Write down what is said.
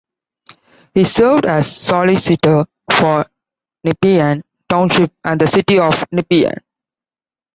He served as solicitor for Nepean Township and the City of Nepean.